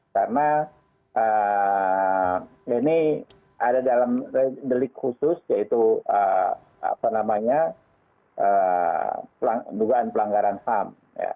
karena ini ada dalam delik khusus yaitu apa namanya dugaan pelanggaran ham